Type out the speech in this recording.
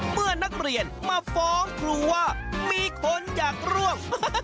เมื่อนักเรียนมาฟ้องครูว่ามีคนอยากร่วม